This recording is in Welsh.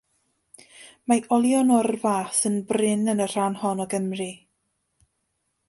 Mae olion o'r fath yn brin yn y rhan hon o Gymru.